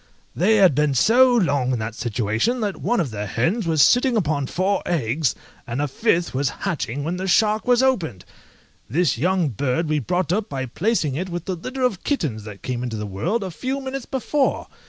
They had been so long in that situation, that one of the hens was sitting upon four eggs, and a fifth was hatching when the shark was opened!!! This young bird we brought up by placing it with a litter of kittens that came into the world a few minutes before!